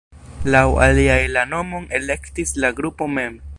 Laŭ aliaj la nomon elektis la grupo mem.